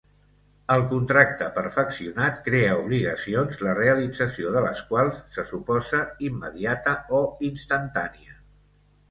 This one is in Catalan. El contracte perfeccionat crea obligacions la realització de les quals se suposa immediata o instantània.